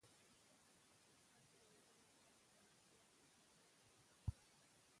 افغانستان کې د وګړي لپاره دپرمختیا پروګرامونه شته.